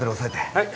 はい。